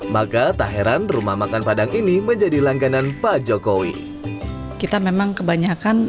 maka tak heran rumah makan padang ini menjadi langganan pak jokowi kita memang kebanyakan